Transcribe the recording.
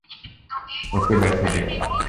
ওকে ব্যথা দিও না।